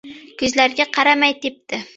Ko‘zlariga qaramay tepdi.